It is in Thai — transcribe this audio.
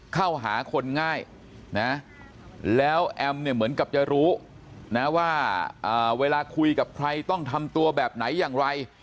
เข้าหาคนง่ายนะแล้วแอมเนี่ยเหมือนกับจะรู้นะว่าเวลาคุยกับใครต้องทำตัวแบบไหนอย่างไร